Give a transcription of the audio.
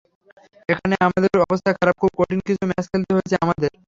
এখানেই আমাদের অবস্থা খারাপ, খুব কঠিন কিছু ম্যাচ খেলতে হয়েছে আমাদের।